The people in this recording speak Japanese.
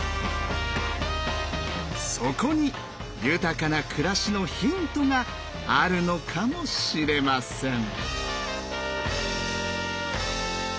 そこに豊かな暮らしのヒントがあるのかもしれません。